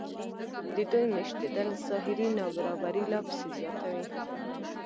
د دوی مېشتېدل ظاهري نابرابري لا پسې زیاتوي